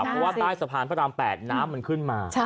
เพราะว่าใต้สะพานพระราม๘น้ำมันขึ้นมา